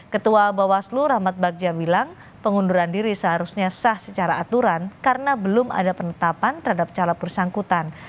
ketua bawaslu rahmat bagja bilang pengunduran diri seharusnya sah secara aturan karena belum ada penetapan terhadap calon bersangkutan